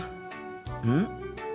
うん？